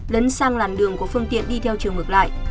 lấn sang làn đường của phương tiện đi theo chiều ngược lại